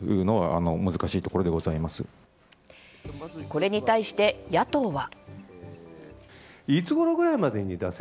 これに対して、野党は。